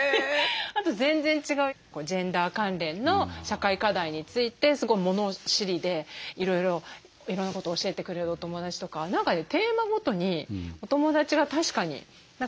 あと全然違うジェンダー関連の社会課題についてすごい物知りでいろいろいろんなことを教えてくれるお友だちとか何かねテーマごとにお友だちが確かに違ってたりします。